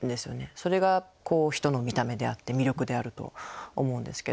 それが人の見た目であって魅力であると思うんですけど。